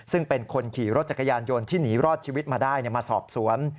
ซึ่งเป็นคนขี่รถจักรยานยนต์ที่หนีรอดชีวิตมาได้มาสอบสวน